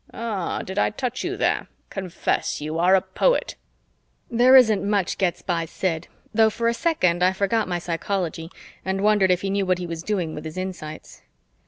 Ah, did I touch you there? Confess, you are a poet." There isn't much gets by Sid, though for a second I forgot my psychology and wondered if he knew what he was doing with his insights.